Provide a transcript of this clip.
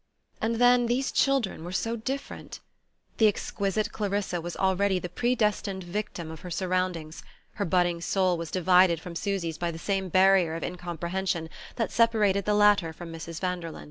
And then these children were so different! The exquisite Clarissa was already the predestined victim of her surroundings: her budding soul was divided from Susy's by the same barrier of incomprehension that separated the latter from Mrs. Vanderlyn.